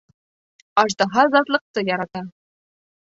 Аждаһа затлылыҡты ярата.